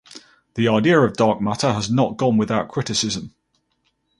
The idea of dark matter has not gone without criticism.